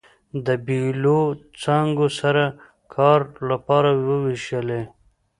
د بېلو څانګو سره کار لپاره ووېشلې.